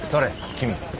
君。